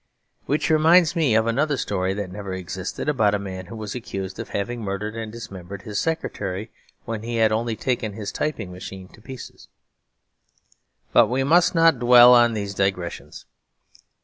Which reminds me of another story that never existed, about a man who was accused of having murdered and dismembered his secretary when he had only taken his typing machine to pieces; but we must not dwell on these digressions.